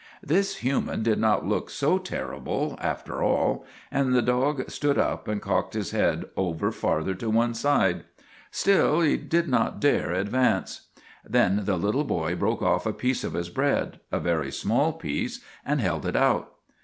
This human did not look so terrible, after all, and the dog stood up and cocked his head over farther to one side. Still he did not dare advance. Then the little boy broke off a piece of his bread a very small piece and held it out.